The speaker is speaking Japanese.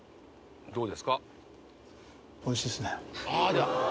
どうですか？